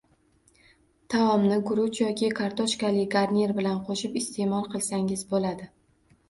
Taomni guruch yoki kartoshkali garnir bilan qo‘shib iste’mol qilsangiz bo‘ladi